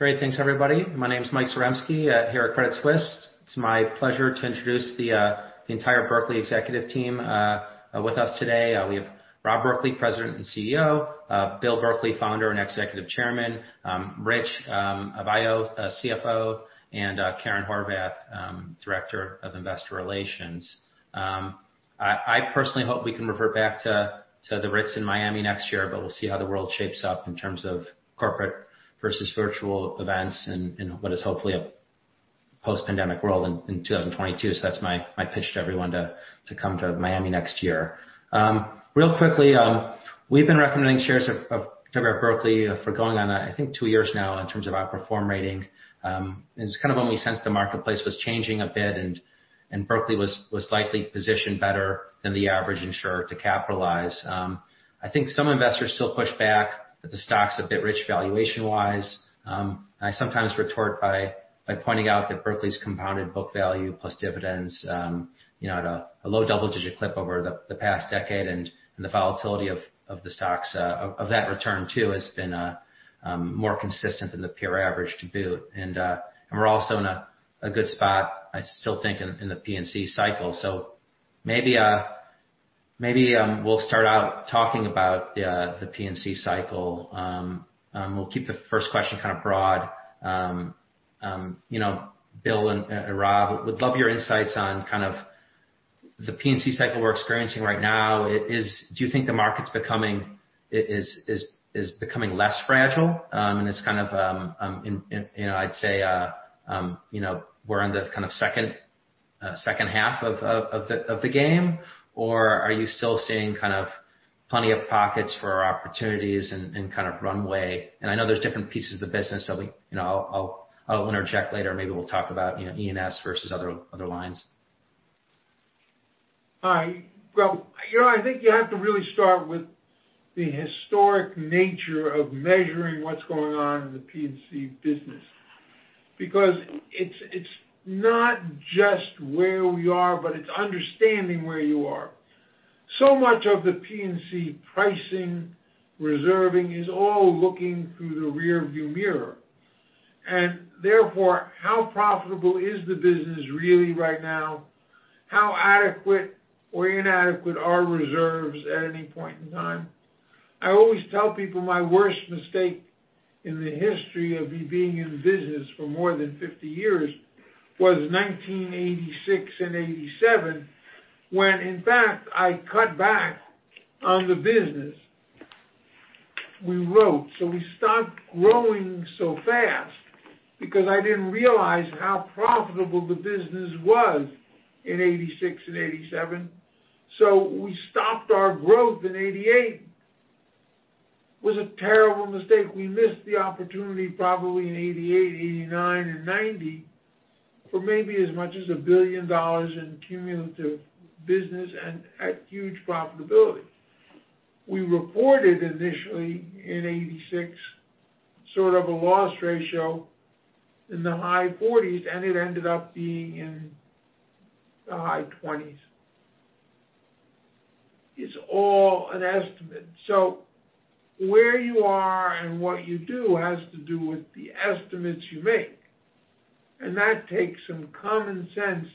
Great. Thanks, everybody. My name is Michael Zaremski here at Credit Suisse. It's my pleasure to introduce the entire Berkley executive team with us today. We have Rob Berkley, President and Chief Executive Officer, Bill Berkley, Founder and Executive Chairman, Rich Baio, CFO, and Karen Horvath, Director of Investor Relations. I personally hope we can revert back to the Ritz in Miami next year, but we'll see how the world shapes up in terms of corporate versus virtual events in what is hopefully a post-pandemic world in 2022. That's my pitch to everyone to come to Miami next year. Real quickly, we've been recommending shares of Berkley for going on, I think, two years now in terms of outperform rating. It's when we sensed the marketplace was changing a bit and Berkley was likely positioned better than the average insurer to capitalize. I think some investors still push back that the stock's a bit rich valuation-wise. I sometimes retort by pointing out that Berkley's compounded book value plus dividends at a low double-digit clip over the past decade, and the volatility of the stocks of that return too, has been more consistent than the peer average to boot. We're also in a good spot, I still think, in the P&C cycle. Maybe we'll start out talking about the P&C cycle. We'll keep the first question kind of broad. Bill and Rob, would love your insights on the P&C cycle we're experiencing right now. Do you think the market is becoming less fragile, and I'd say we're in the second half of the game, or are you still seeing plenty of pockets for opportunities and runway? I know there's different pieces of the business so I'll interject later. Maybe we'll talk about E&S versus other lines. Hi, Rob. I think you have to really start with the historic nature of measuring what's going on in the P&C business. It's not just where we are, but it's understanding where you are. Much of the P&C pricing reserving is all looking through the rearview mirror. Therefore, how profitable is the business really right now? How adequate or inadequate are reserves at any point in time? I always tell people my worst mistake in the history of me being in business for more than 50 years was 1986 and 1987, when, in fact, I cut back on the business we wrote. We stopped growing so fast because I didn't realize how profitable the business was in 1986 and 1987. We stopped our growth in 1988. It was a terrible mistake. We missed the opportunity probably in 1988, 1989, and 1990 for maybe as much as $1 billion in cumulative business and at huge profitability. We reported initially in 1986, sort of a loss ratio in the high 40s, and it ended up being in the high 20s. It's all an estimate. Where you are and what you do has to do with the estimates you make. That takes some common sense,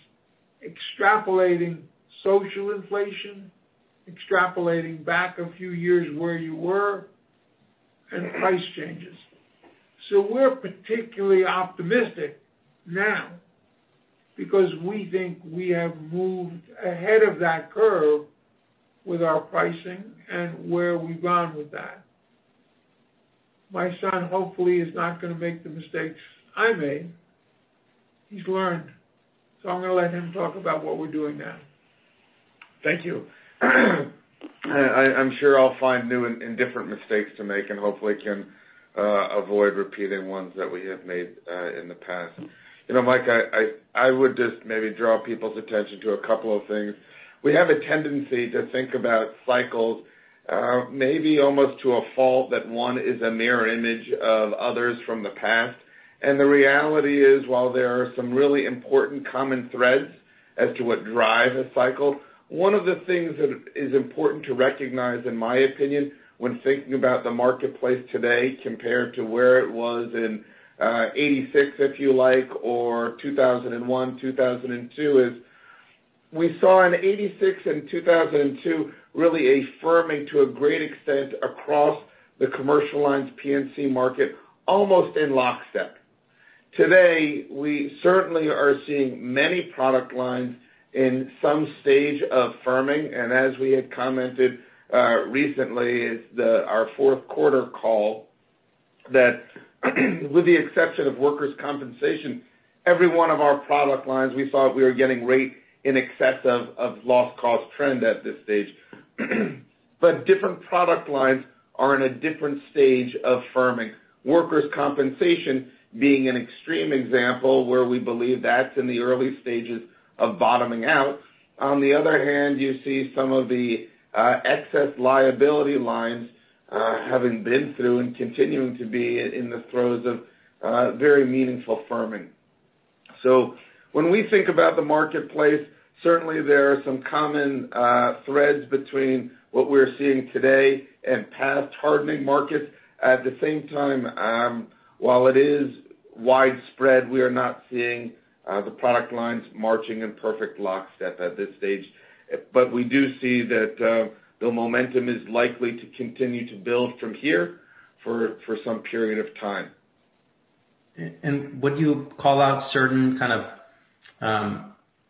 extrapolating social inflation, extrapolating back a few years where you were, and price changes. We're particularly optimistic now because we think we have moved ahead of that curve with our pricing and where we've gone with that. My son hopefully is not going to make the mistakes I made. He's learned. I'm going to let him talk about what we're doing now. Thank you. I'm sure I'll find new and different mistakes to make and hopefully can avoid repeating ones that we have made in the past. Mike, I would just maybe draw people's attention to a couple of things. We have a tendency to think about cycles, maybe almost to a fault, that one is a mirror image of others from the past. The reality is, while there are some really important common threads as to what drive a cycle, one of the things that is important to recognize, in my opinion, when thinking about the marketplace today compared to where it was in 1986, if you like, or 2001, 2002, is we saw in 1986 and 2002, really a firming to a great extent across the commercial lines P&C market, almost in lockstep. Today, we certainly are seeing many product lines in some stage of firming, and as we had commented recently, our fourth quarter call, that with the exception of workers' compensation, every one of our product lines we thought we were getting rate in excess of loss cost trend at this stage. Different product lines are in a different stage of firming. Workers' compensation being an extreme example where we believe that's in the early stages of bottoming out. On the other hand, you see some of the excess liability lines having been through and continuing to be in the throes of very meaningful firming. When we think about the marketplace, certainly there are some common threads between what we're seeing today and past hardening markets. At the same time, while it is widespread, we are not seeing the product lines marching in perfect lockstep at this stage. We do see that the momentum is likely to continue to build from here for some period of time. Would you call out certain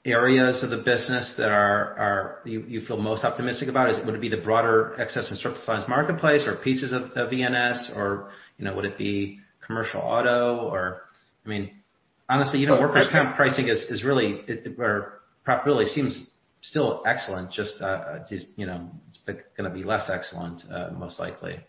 areas of the business that you feel most optimistic about? Would it be the broader excess and surplus lines marketplace or pieces of E&S, or would it be commercial auto, or Honestly, workers' comp pricing or profitability seems still excellent, just, it's going to be less excellent, most likely.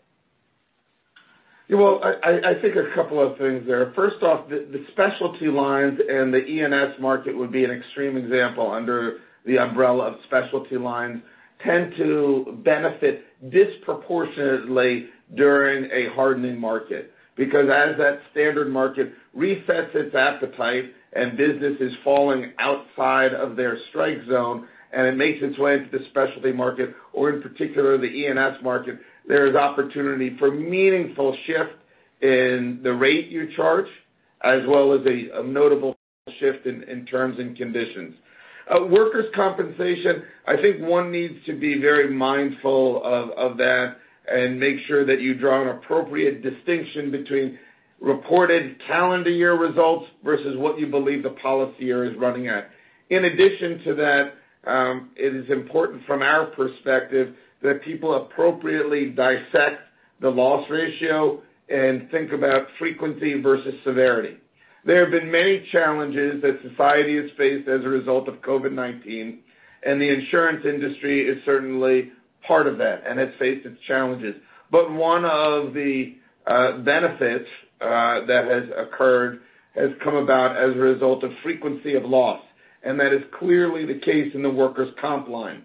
Well, I think a couple of things there. First off, the specialty lines and the E&S market would be an extreme example under the umbrella of specialty lines, tend to benefit disproportionately during a hardening market. Because as that standard market resets its appetite and business is falling outside of their strike zone, and it makes its way into the specialty market or in particular the E&S market, there is opportunity for meaningful shift in the rate you charge, as well as a notable shift in terms and conditions. Workers' compensation, I think one needs to be very mindful of that and make sure that you draw an appropriate distinction between reported calendar year results versus what you believe the policy year is running at. In addition to that, it is important from our perspective that people appropriately dissect the loss ratio and think about frequency versus severity. There have been many challenges that society has faced as a result of COVID-19, and the insurance industry is certainly part of that and has faced its challenges. One of the benefits that has occurred has come about as a result of frequency of loss, and that is clearly the case in the workers' comp line.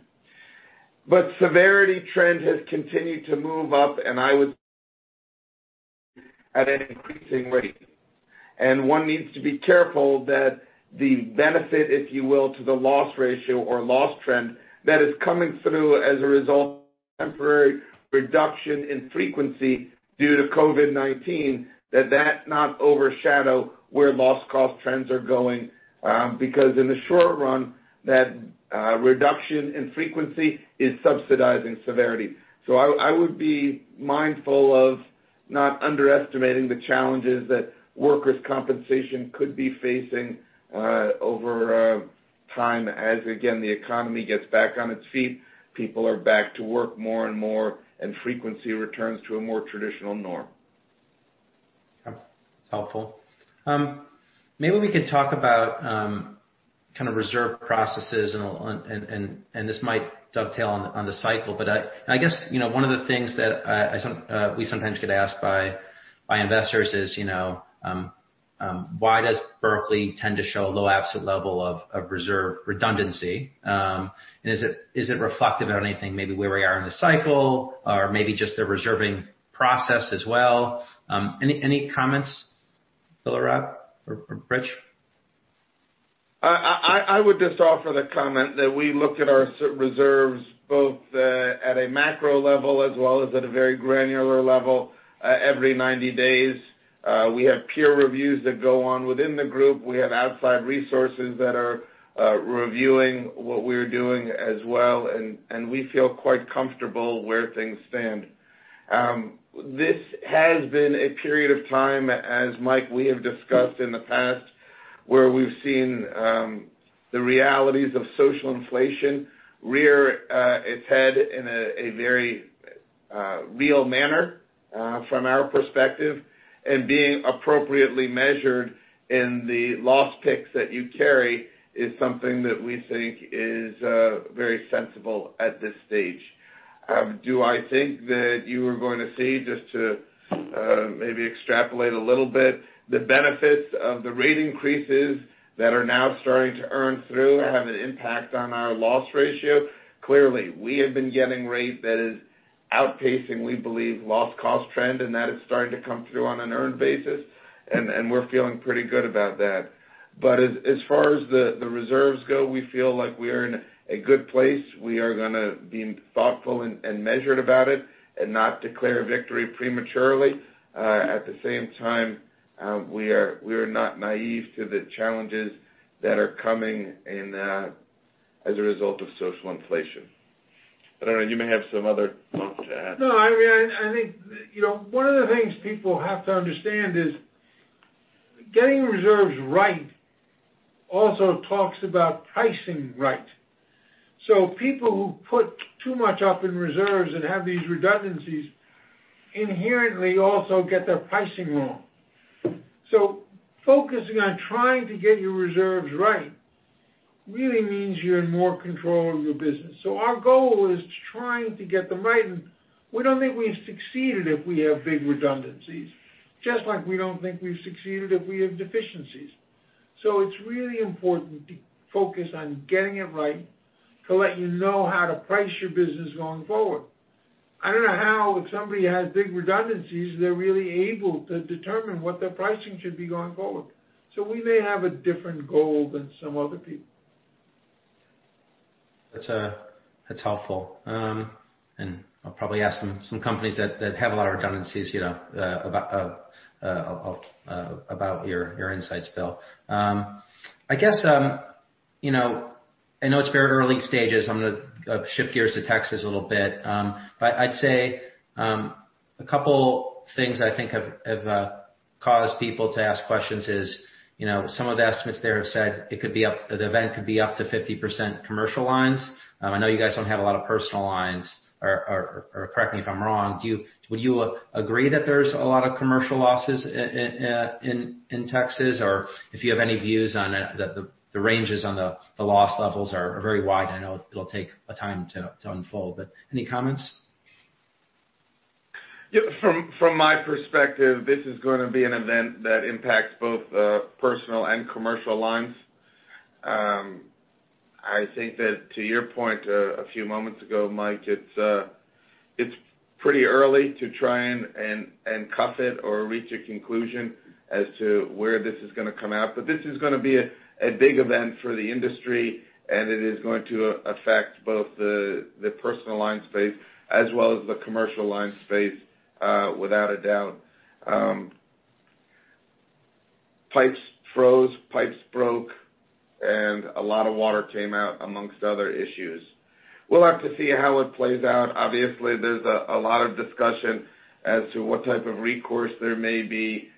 Severity trend has continued to move up, and I would at an increasing rate. One needs to be careful that the benefit, if you will, to the loss ratio or loss trend that is coming through as a result of temporary reduction in frequency due to COVID-19, that that not overshadow where loss cost trends are going, because in the short run, that reduction in frequency is subsidizing severity. I would be mindful of not underestimating the challenges that Workers' compensation could be facing over time as, again, the economy gets back on its feet, people are back to work more and more, and frequency returns to a more traditional norm. That's helpful. Maybe we could talk about reserve processes, and this might dovetail on the cycle, but I guess one of the things that we sometimes get asked by investors is, why does Berkley tend to show a low absolute level of reserve redundancy? Is it reflective at anything maybe where we are in the cycle or maybe just the reserving process as well? Any comments, Bill or Rob or Rich? I would just offer the comment that we look at our reserves both at a macro level as well as at a very granular level every 90 days. We have peer reviews that go on within the group. We have outside resources that are reviewing what we're doing as well, and we feel quite comfortable where things stand. This has been a period of time, as Mike, we have discussed in the past, where we've seen the realities of social inflation rear its head in a very real manner from our perspective and being appropriately measured in the loss picks that you carry is something that we think is very sensible at this stage. Do I think that you are going to see, just to maybe extrapolate a little bit, the benefits of the rate increases that are now starting to earn through have an impact on our loss ratio? Clearly, we have been getting rate that is outpacing, we believe, loss cost trend, and that is starting to come through on an earned basis, and we're feeling pretty good about that. As far as the reserves go, we feel like we are in a good place. We are going to be thoughtful and measured about it and not declare victory prematurely. At the same time, we are not naive to the challenges that are coming as a result of social inflation. I don't know, you may have some other thoughts to add. No, I think one of the things people have to understand is getting reserves right also talks about pricing right. People who put too much up in reserves and have these redundancies inherently also get their pricing wrong. Focusing on trying to get your reserves right really means you're in more control of your business. Our goal is trying to get them right, and we don't think we've succeeded if we have big redundancies, just like we don't think we've succeeded if we have deficiencies. It's really important to focus on getting it right to let you know how to price your business going forward. I don't know how, if somebody has big redundancies, they're really able to determine what their pricing should be going forward. We may have a different goal than some other people. That's helpful. I'll probably ask some companies that have a lot of redundancies about your insights, Bill. I guess, I know it's very early stages. I'm going to shift gears to Texas a little bit. I'd say, a couple things I think have caused people to ask questions is, some of the estimates there have said, the event could be up to 50% commercial lines. I know you guys don't have a lot of personal lines, or correct me if I'm wrong. Would you agree that there's a lot of commercial losses in Texas? If you have any views on the ranges on the loss levels are very wide. I know it'll take a time to unfold. Any comments? Yeah, from my perspective, this is going to be an event that impacts both personal and commercial lines. I think that to your point a few moments ago, Mike, it's pretty early to try and cuff it or reach a conclusion as to where this is going to come out. This is going to be a big event for the industry, and it is going to affect both the personal line space as well as the commercial line space, without a doubt. Pipes froze, pipes broke, and a lot of water came out, amongst other issues. We'll have to see how it plays out. Obviously, there's a lot of discussion as to what type of recourse there may be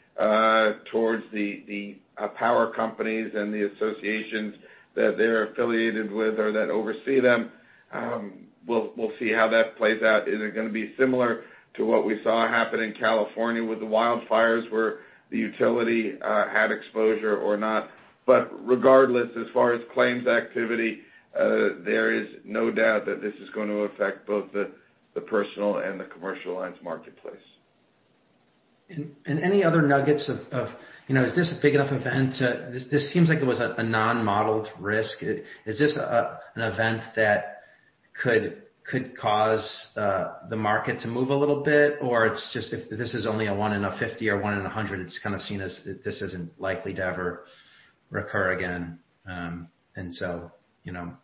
towards the power companies and the associations that they're affiliated with or that oversee them. We'll see how that plays out. Is it going to be similar to what we saw happen in California with the wildfires where the utility had exposure or not? Regardless, as far as claims activity, there is no doubt that this is going to affect both the personal and the commercial lines marketplace. Any other nuggets of, is this a big enough event? This seems like it was a non-modeled risk. Is this an event that could cause the market to move a little bit? If this is only a one in a 50 or one in 100, it's kind of seen as this isn't likely to ever recur again.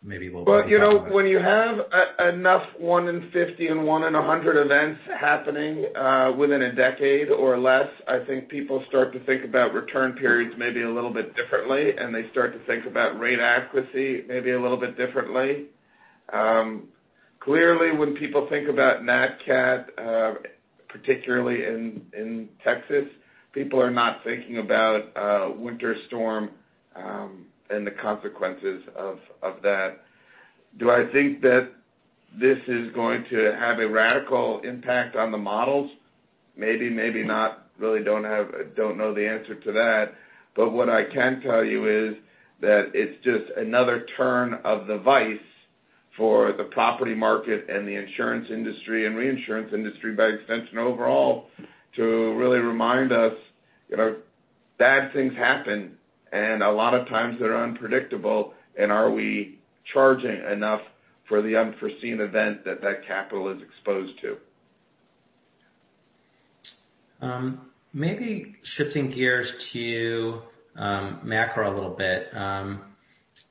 Maybe we'll- When you have enough one in 50 and one in 100 events happening within a decade or less, I think people start to think about return periods maybe a little bit differently, and they start to think about rate accuracy maybe a little bit differently. Clearly, when people think about Nat cat, particularly in Texas, people are not thinking about winter storm and the consequences of that. Do I think that this is going to have a radical impact on the models? Maybe, maybe not. Really don't know the answer to that. What I can tell you is that it's just another turn of the vice for the property market and the insurance industry and reinsurance industry by extension overall, to really remind us bad things happen and a lot of times they're unpredictable and are we charging enough for the unforeseen event that capital is exposed to? Maybe shifting gears to macro a little bit.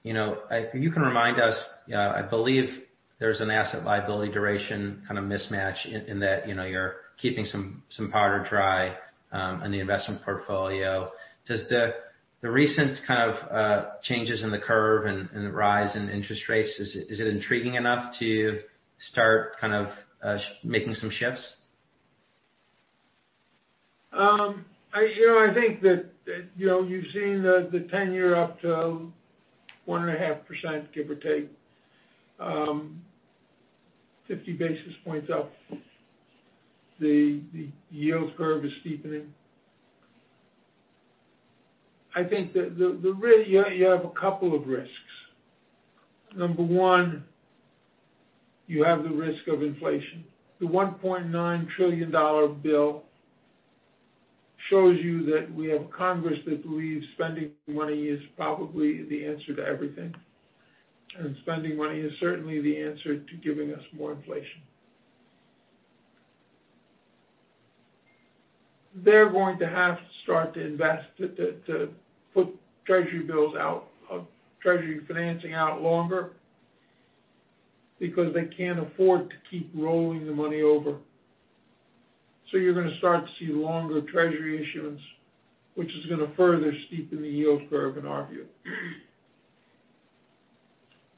If you can remind us, I believe there's an asset liability duration kind of mismatch in that you're keeping some powder dry in the investment portfolio. Does the recent kind of changes in the curve and the rise in interest rates, is it intriguing enough to start kind of making some shifts? I think that you've seen the 10-year up to 1.5%, give or take, 50 basis points up. The yield curve is steepening. I think that you have a couple of risks. Number 1, you have the risk of inflation. The $1.9 trillion bill shows you that we have Congress that believes spending money is probably the answer to everything, and spending money is certainly the answer to giving us more inflation. They're going to have to start to invest, to put treasury bills out, treasury financing out longer because they can't afford to keep rolling the money over. You're going to start to see longer treasury issuance, which is going to further steepen the yield curve in our view.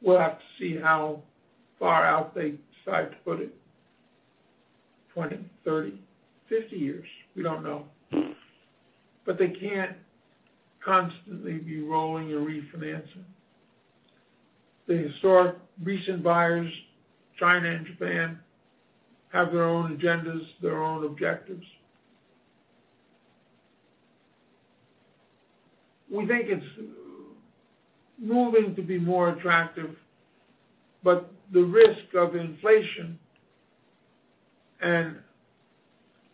We'll have to see how far out they decide to put it, 20, 30, 50 years, we don't know. They can't constantly be rolling or refinancing. The historic recent buyers, China and Japan, have their own agendas, their own objectives. We think it's moving to be more attractive, the risk of inflation and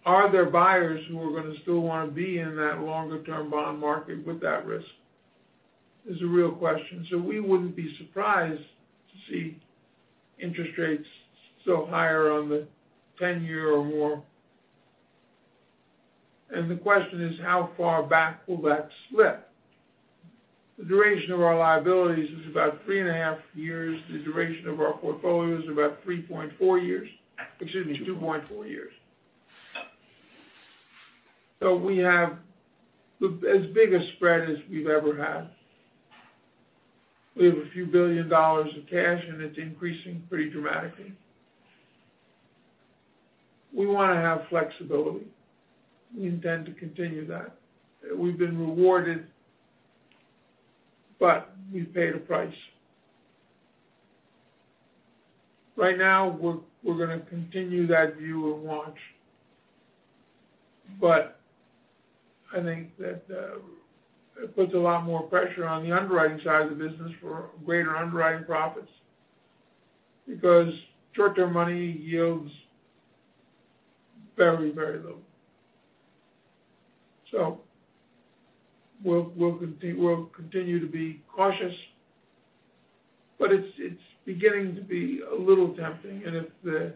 are there buyers who are going to still want to be in that longer-term bond market with that risk? Is the real question. We wouldn't be surprised to see interest rates still higher on the 10-year or more. The question is how far back will that slip? The duration of our liabilities is about three and a half years. The duration of our portfolio is about 3.4 years. Excuse me, 2.4 years. We have as big a spread as we've ever had. We have a few billion dollars of cash, and it's increasing pretty dramatically. We want to have flexibility. We intend to continue that. We've been rewarded, we pay the price. Right now, we're going to continue that view and watch. I think that it puts a lot more pressure on the underwriting side of the business for greater underwriting profits, because short-term money yields very, very low. We'll continue to be cautious, but it's beginning to be a little tempting. If the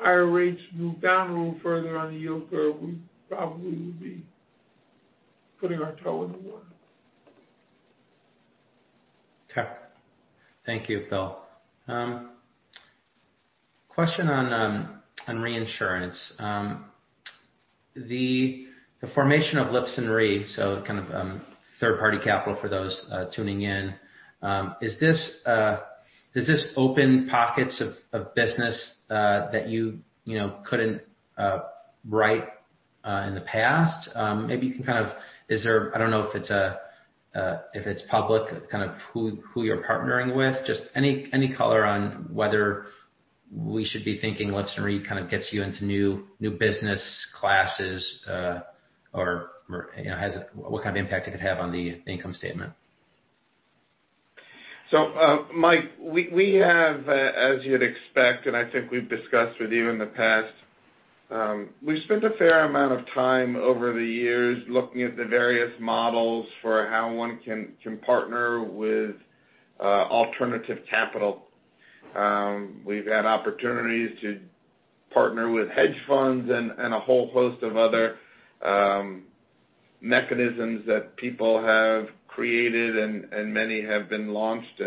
higher rates move down a little further on the yield curve, we probably would be putting our toe in the water. Okay. Thank you, Bill. Question on reinsurance. The formation of Lifson Re, so kind of third-party capital for those tuning in. Does this open pockets of business that you couldn't write in the past? Maybe you can kind of I don't know if it's public, kind of who you're partnering with, just any color on whether we should be thinking Lifson Re kind of gets you into new business classes, or what kind of impact it could have on the income statement? Mike, we have, as you'd expect, and I think we've discussed with you in the past. We've spent a fair amount of time over the years looking at the various models for how one can partner with alternative capital. We've had opportunities to partner with hedge funds and a whole host of other mechanisms that people have created, and many have been launched.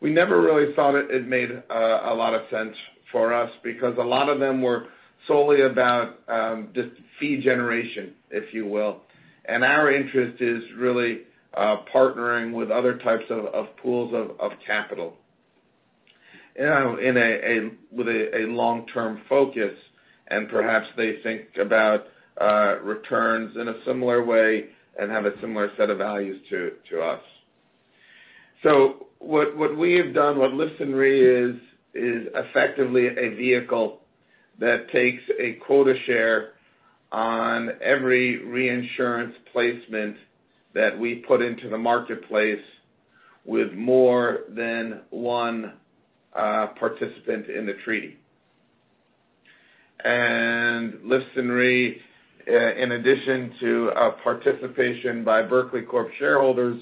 We never really thought it made a lot of sense for us because a lot of them were solely about just fee generation, if you will. Our interest is really partnering with other types of pools of capital with a long-term focus, and perhaps they think about returns in a similar way and have a similar set of values to us. What we have done, what Lifson Re is effectively a vehicle that takes a quota share on every reinsurance placement that we put into the marketplace with more than one participant in the treaty. Lifson Re, in addition to participation by Berkley Corp shareholders,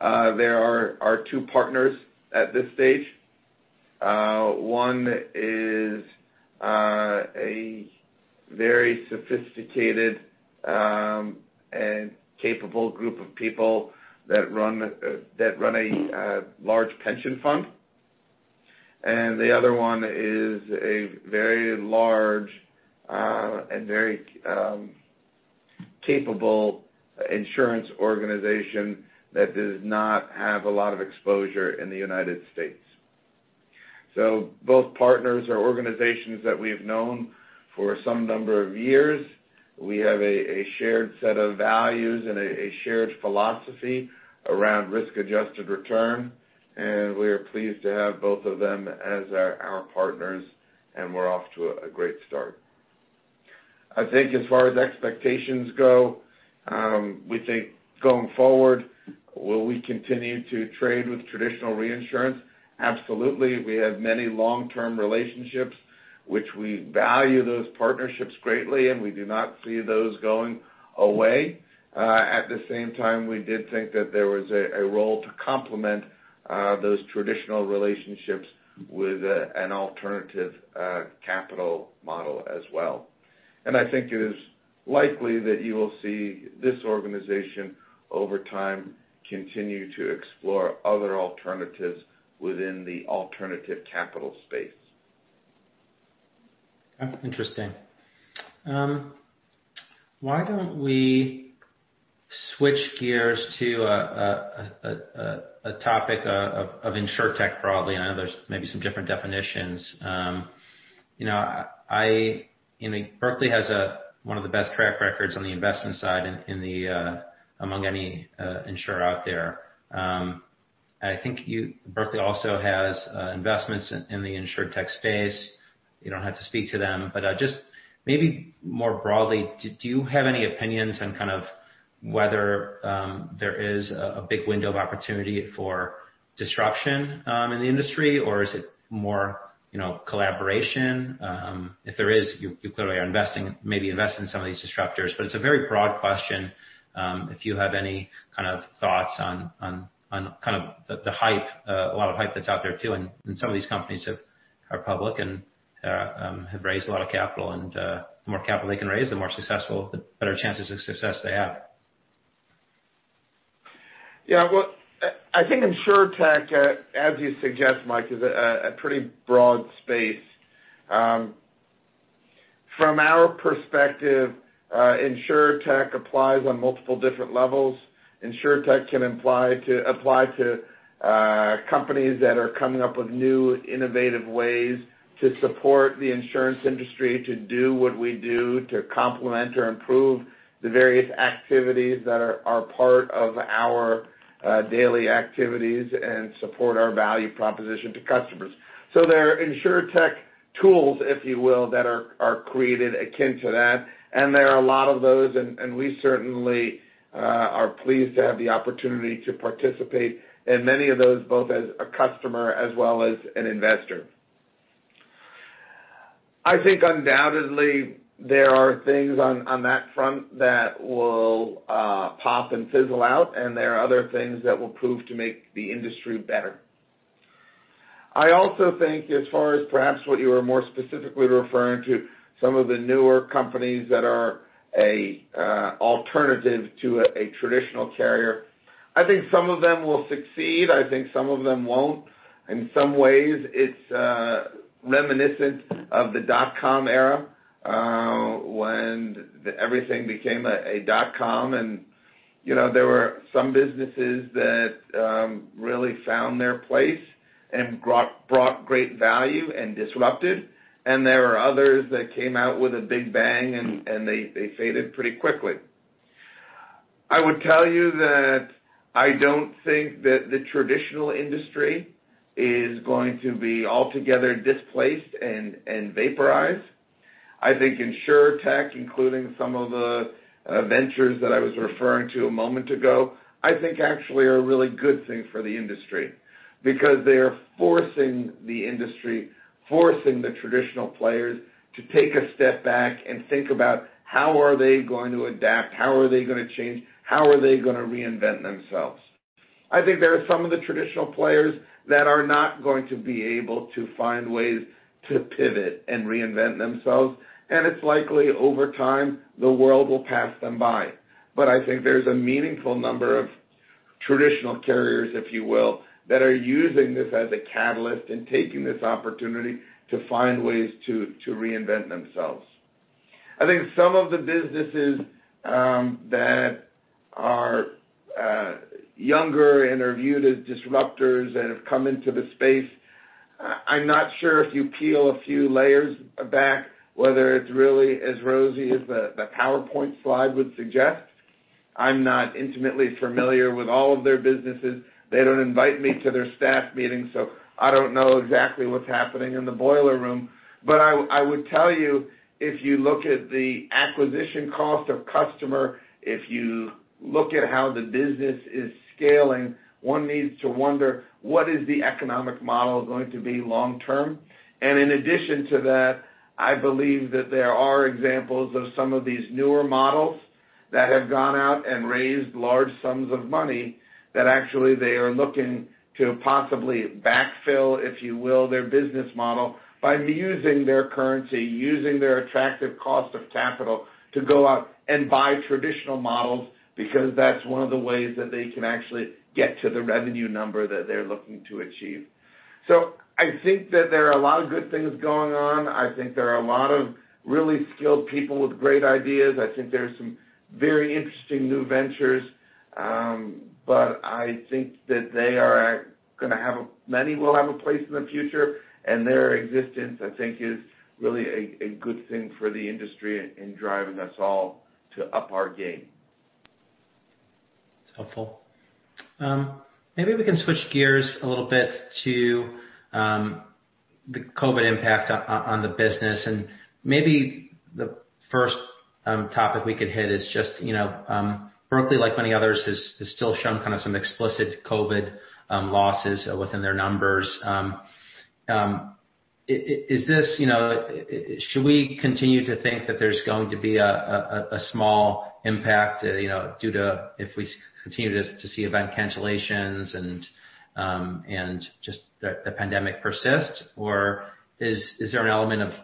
there are 2 partners at this stage. One is a very sophisticated and capable group of people that run a large pension fund, and the other one is a very large and very capable insurance organization that does not have a lot of exposure in the U.S. Both partners are organizations that we've known for some number of years. We have a shared set of values and a shared philosophy around risk-adjusted return, and we are pleased to have both of them as our partners, and we're off to a great start. I think as far as expectations go, we think going forward, will we continue to trade with traditional reinsurance? Absolutely. We have many long-term relationships, which we value those partnerships greatly, and we do not see those going away. At the same time, we did think that there was a role to complement those traditional relationships with an alternative capital model as well. I think it is likely that you will see this organization over time continue to explore other alternatives within the alternative capital space. Interesting. Why don't we switch gears to a topic of insurtech broadly? I know there's maybe some different definitions. Berkley has one of the best track records on the investment side among any insurer out there. I think Berkley also has investments in the insurtech space. You don't have to speak to them, but just maybe more broadly, do you have any opinions on whether there is a big window of opportunity for disruption in the industry, or is it more collaboration? If there is, you clearly are maybe investing in some of these disruptors. It's a very broad question, if you have any thoughts on the hype, a lot of hype that's out there too. Some of these companies are public and have raised a lot of capital, and the more capital they can raise, the more successful, the better chances of success they have. Yeah. I think insurtech, as you suggest, Mike, is a pretty broad space. From our perspective, insurtech applies on multiple different levels. Insurtech can apply to companies that are coming up with new, innovative ways to support the insurance industry, to do what we do, to complement or improve the various activities that are part of our daily activities and support our value proposition to customers. They're insurtech tools, if you will, that are created akin to that, and there are a lot of those, and we certainly are pleased to have the opportunity to participate in many of those, both as a customer as well as an investor. I think undoubtedly, there are things on that front that will pop and fizzle out, and there are other things that will prove to make the industry better. I also think as far as perhaps what you were more specifically referring to, some of the newer companies that are alternative to a traditional carrier, I think some of them will succeed. I think some of them won't. In some ways, it's reminiscent of the dot com era when everything became a dot com and there were some businesses that really found their place and brought great value and disrupted, and there were others that came out with a big bang and they faded pretty quickly. I would tell you that I don't think that the traditional industry is going to be altogether displaced and vaporized. I think insurtech, including some of the ventures that I was referring to a moment ago, I think actually are a really good thing for the industry because they are forcing the industry, forcing the traditional players to take a step back and think about how are they going to adapt, how are they going to change, how are they going to reinvent themselves. I think there are some of the traditional players that are not going to be able to find ways to pivot and reinvent themselves, and it's likely over time the world will pass them by. I think there's a meaningful number of traditional carriers, if you will, that are using this as a catalyst and taking this opportunity to find ways to reinvent themselves. I think some of the businesses that are younger and are viewed as disruptors that have come into the space, I'm not sure if you peel a few layers back, whether it's really as rosy as the PowerPoint slide would suggest. I'm not intimately familiar with all of their businesses. They don't invite me to their staff meetings, so I don't know exactly what's happening in the boiler room. I would tell you, if you look at the acquisition cost of customer, if you look at how the business is scaling, one needs to wonder, what is the economic model going to be long term? In addition to that, I believe that there are examples of some of these newer models that have gone out and raised large sums of money that actually they are looking to possibly backfill, if you will, their business model by using their currency, using their attractive cost of capital to go out and buy traditional models because that's one of the ways that they can actually get to the revenue number that they're looking to achieve. I think that there are a lot of good things going on. I think there are a lot of really skilled people with great ideas. I think there's some very interesting new ventures. I think that many will have a place in the future, and their existence, I think, is really a good thing for the industry in driving us all to up our game. That's helpful. Maybe we can switch gears a little bit to the COVID impact on the business, maybe the first topic we could hit is just Berkley, like many others, has still shown some explicit COVID losses within their numbers. Should we continue to think that there's going to be a small impact if we continue to see event cancellations and just the pandemic persists? Is there an element of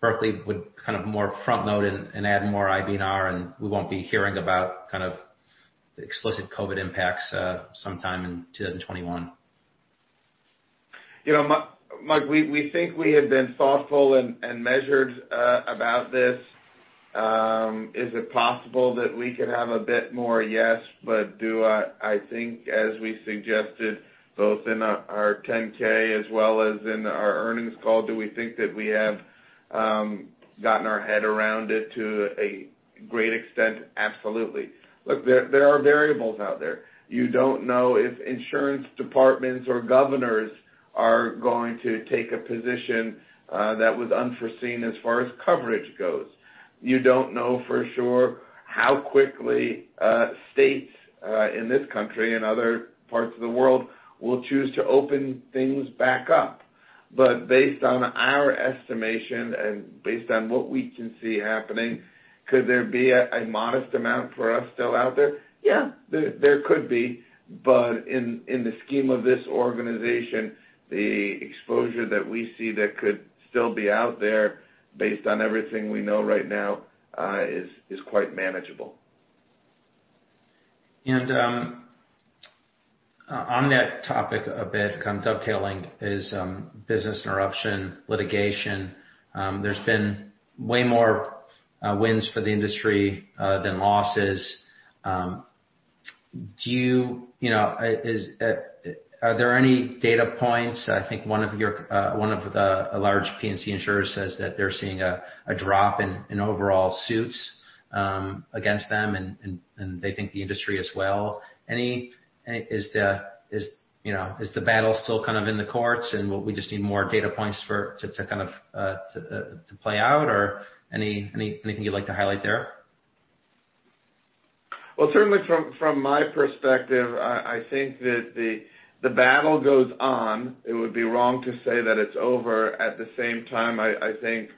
Berkley would more front-load and add more IBNR, and we won't be hearing about explicit COVID impacts sometime in 2021? Mike, we think we have been thoughtful and measured about this. Is it possible that we could have a bit more? Yes. Do I think, as we suggested, both in our 10K as well as in our earnings call, do we think that we have gotten our head around it to a great extent, absolutely. Look, there are variables out there. You don't know if insurance departments or governors are going to take a position that was unforeseen as far as coverage goes. You don't know for sure how quickly states in this country and other parts of the world will choose to open things back up. Based on our estimation and based on what we can see happening, could there be a modest amount for us still out there? Yeah, there could be. In the scheme of this organization, the exposure that we see that could still be out there, based on everything we know right now, is quite manageable. On that topic a bit, kind of dovetailing is business interruption litigation. There's been way more wins for the industry than losses. Are there any data points? I think one of the large P&C insurers says that they're seeing a drop in overall suits against them, and they think the industry as well. Is the battle still kind of in the courts, and we just need more data points to play out, or anything you'd like to highlight there? Well, certainly from my perspective, I think that the battle goes on. It would be wrong to say that it's over. At the same time, I think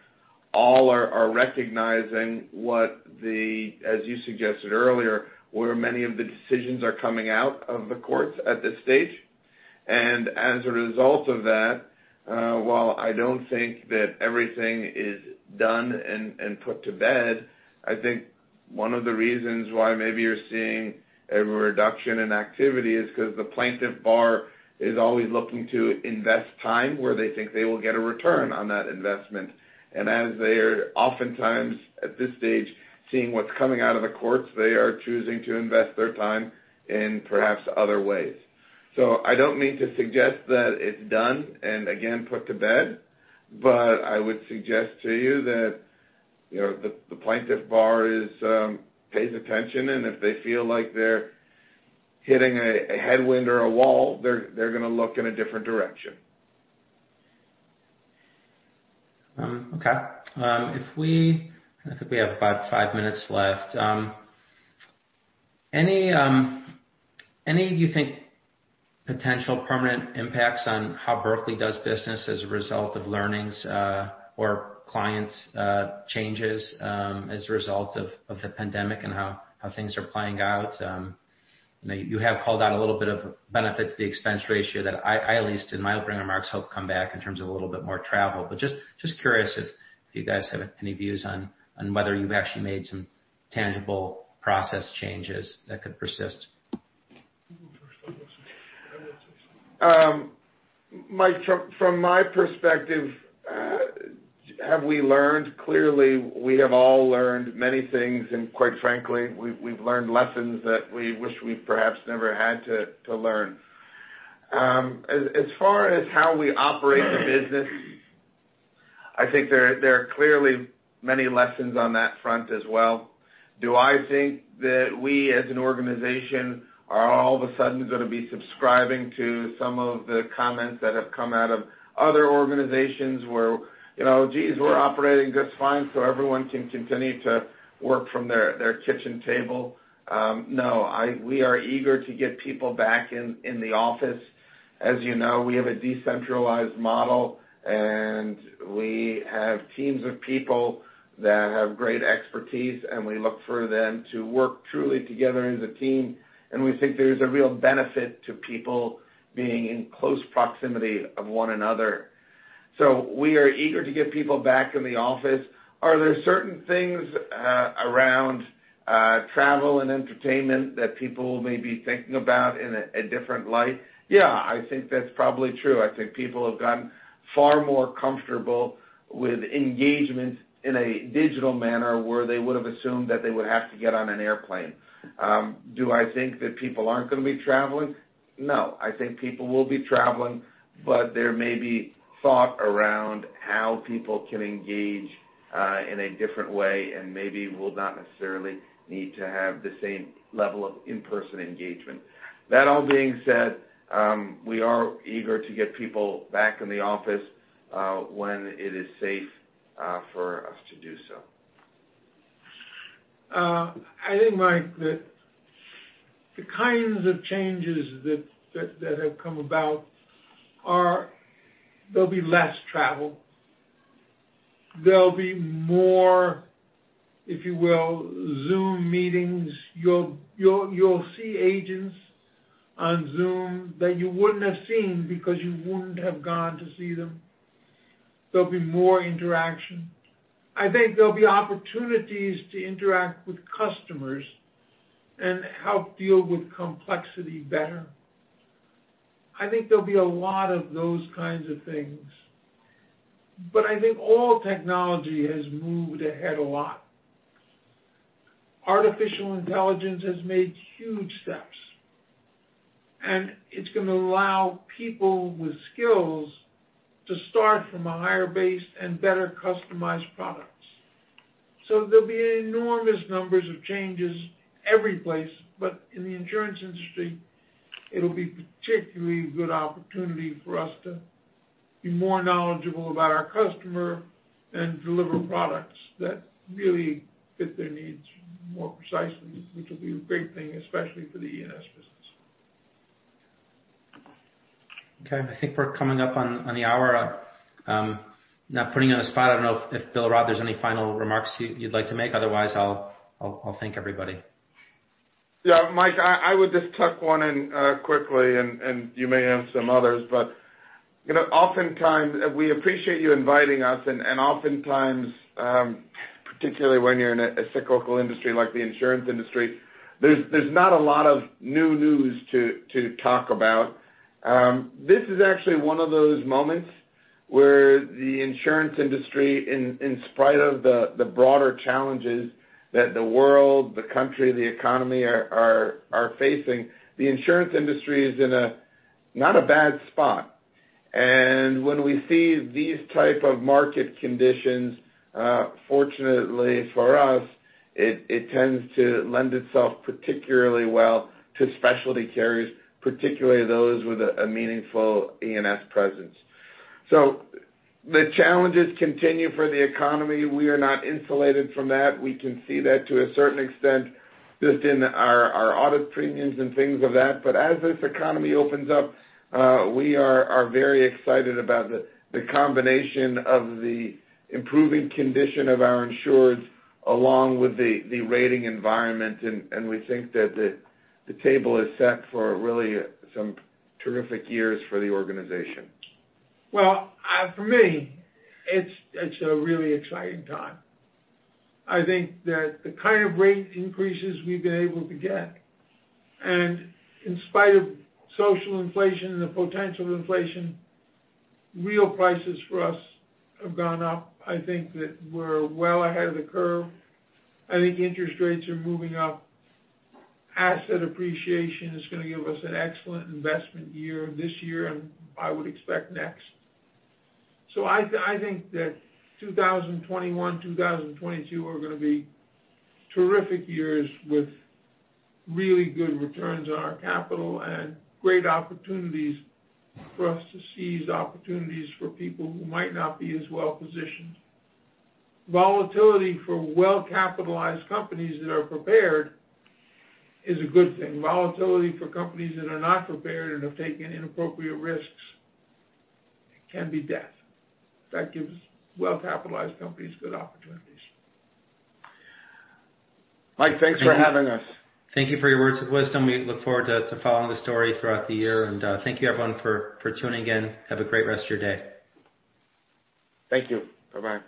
all are recognizing what the, as you suggested earlier, where many of the decisions are coming out of the courts at this stage. As a result of that, while I don't think that everything is done and put to bed, I think one of the reasons why maybe you're seeing a reduction in activity is because the plaintiff bar is always looking to invest time where they think they will get a return on that investment. As they are oftentimes, at this stage, seeing what's coming out of the courts, they are choosing to invest their time in perhaps other ways. I don't mean to suggest that it's done, and again, put to bed. I would suggest to you that the plaintiff bar pays attention, and if they feel like they're hitting a headwind or a wall, they're going to look in a different direction. Okay. I think we have about five minutes left. Any you think potential permanent impacts on how Berkley does business as a result of learnings or clients changes as a result of the pandemic and how things are playing out? You have called out a little bit of benefit to the expense ratio that I at least in my opening remarks hope come back in terms of a little bit more travel. Just curious if you guys have any views on whether you've actually made some tangible process changes that could persist. You can go first. Mike, from my perspective, have we learned? Clearly, we have all learned many things, and quite frankly, we've learned lessons that we wish we perhaps never had to learn. As far as how we operate the business, I think there are clearly many lessons on that front as well. Do I think that we, as an organization, are all of a sudden going to be subscribing to some of the comments that have come out of other organizations where, "Geez, we're operating just fine, so everyone can continue to work from their kitchen table"? No. We are eager to get people back in the office. As you know, we have a decentralized model, and we have teams of people that have great expertise, and we look for them to work truly together as a team. We think there's a real benefit to people being in close proximity of one another. We are eager to get people back in the office. Are there certain things around travel and entertainment that people may be thinking about in a different light? Yeah, I think that's probably true. I think people have gotten far more comfortable with engagement in a digital manner where they would've assumed that they would have to get on an airplane. Do I think that people aren't going to be traveling? No, I think people will be traveling, but there may be thought around how people can engage in a different way and maybe will not necessarily need to have the same level of in-person engagement. That all being said, we are eager to get people back in the office when it is safe for us to do so. I think, Mike, that the kinds of changes that have come about are there'll be less travel. There'll be more, if you will, Zoom meetings. You'll see agents on Zoom that you wouldn't have seen because you wouldn't have gone to see them. There'll be more interaction. I think there'll be opportunities to interact with customers and help deal with complexity better. I think there'll be a lot of those kinds of things. I think all technology has moved ahead a lot. Artificial intelligence has made huge steps. It's going to allow people with skills to start from a higher base and better customized products. There'll be enormous numbers of changes every place, but in the insurance industry, it'll be particularly a good opportunity for us to be more knowledgeable about our customer and deliver products that really fit their needs more precisely, which will be a great thing, especially for the E&S business. Okay, I think we're coming up on the hour. I'm not putting you on the spot. I don't know if, Bill or Rob, there's any final remarks you'd like to make. Otherwise, I'll thank everybody. Yeah, Mike, I would just tuck one in quickly, and you may have some others. Oftentimes, we appreciate you inviting us, and oftentimes, particularly when you're in a cyclical industry like the insurance industry, there's not a lot of new news to talk about. This is actually one of those moments where the insurance industry, in spite of the broader challenges that the world, the country, the economy are facing, the insurance industry is in a not a bad spot. When we see these type of market conditions, fortunately for us, it tends to lend itself particularly well to specialty carriers, particularly those with a meaningful E&S presence. The challenges continue for the economy. We are not insulated from that. We can see that to a certain extent just in our audit premiums and things of that. As this economy opens up, we are very excited about the combination of the improving condition of our insureds along with the rating environment, and we think that the table is set for really some terrific years for the organization. Well, for me, it's a really exciting time. I think that the kind of rate increases we've been able to get, and in spite of social inflation and the potential inflation, real prices for us have gone up. I think that we're well ahead of the curve. I think interest rates are moving up. Asset appreciation is going to give us an excellent investment year this year, and I would expect next. I think that 2021, 2022 are going to be terrific years with really good returns on our capital and great opportunities for us to seize opportunities for people who might not be as well-positioned. Volatility for well-capitalized companies that are prepared is a good thing. Volatility for companies that are not prepared and have taken inappropriate risks can be death. That gives well-capitalized companies good opportunities. Mike, thanks for having us. Thank you for your words of wisdom. We look forward to following the story throughout the year. Thank you, everyone, for tuning in. Have a great rest of your day. Thank you. Bye-bye.